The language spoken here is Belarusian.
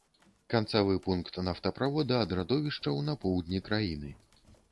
Канцавы пункт нафтаправода ад радовішчаў на поўдні краіны.